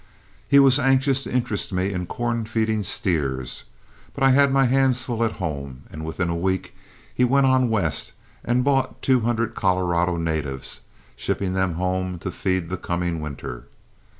He was anxious to interest me in corn feeding steers, but I had my hands full at home, and within a week he went on west and bought two hundred Colorado natives, shipping them home to feed the coming winter.